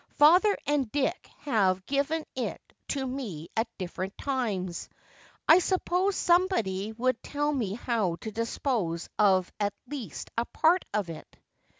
Father and Dick have given it to me at different times. I suppose somebody would tell me how to dispose of at least a part of it."